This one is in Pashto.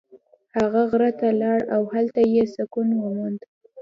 هغه غره ته لاړ او هلته یې سکون وموند.